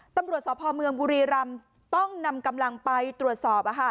ตำรวจสอบพลเมืองบุรีรัมต้องนำกำลังไปตรวจสอบอ่ะค่ะ